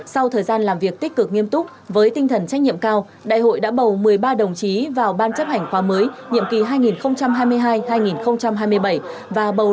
sau thời gian làm việc tích cực nghiêm túc với tinh thần trách nhiệm cao đại hội đã bầu một mươi ba đồng chí vào ban chấp hành khoa mới nhiệm kỳ hai nghìn hai mươi hai hai nghìn hai mươi bảy và bầu đoàn đại biểu dự đại hội đại biểu đoàn thanh niên bộ công an lần thứ hai mươi hai